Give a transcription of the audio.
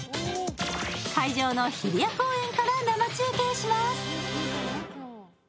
会場の日比谷公園から生中継します。